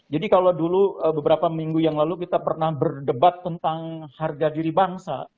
jadi kalau dulu beberapa minggu yang lalu kita pernah berdebat tentang harga diri bangsa